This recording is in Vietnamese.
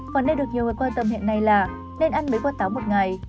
phần này được nhiều người quan tâm hiện nay là nên ăn mấy quả táo một ngày